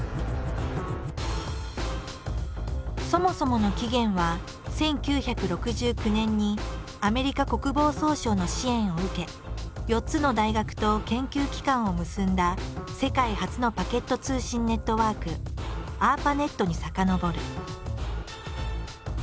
そもそもの起源は１９６９年にアメリカ国防総省の支援を受け４つの大学と研究機関を結んだ世界初のパケット通信ネットワーク「ＡＲＰＡＮＥＴ」に遡る。